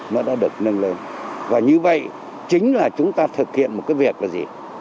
nó đã được nâng lên và như vậy chính là chúng ta thực hiện một cái việc là gì